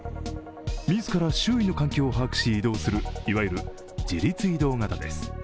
自ら周囲の環境を把握し移動する、いわゆる自律移動型です。